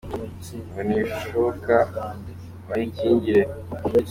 Ngo nishoka bayikingire